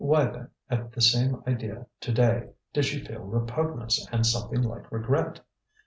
Why, then, at the same idea to day did she feel repugnance and something like regret?